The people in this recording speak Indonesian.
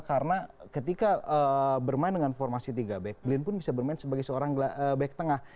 karena ketika bermain dengan formasi tiga back blin pun bisa bermain sebagai seorang back tengah